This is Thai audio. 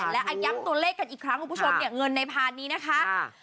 และย้ำตัวเลขกันอีกครั้งคุณผู้ชมเนี่ยเงินในพานนี้นะคะ